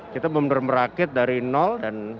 kita benar benar merakit dari nol dan